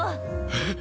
えっ！？